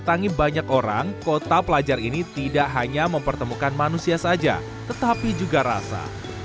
seperti sejauh ini kota pelajar ini tidak hanya mempertemukan manusia saja tetapi juga rasa